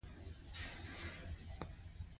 مور خپلې واده شوې لور ته وویل: لورې! ښه شتمن کور دی